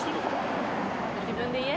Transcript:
自分で言え。